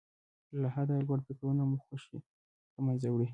له حده لوړ فکرونه مو خوښۍ له منځه وړي.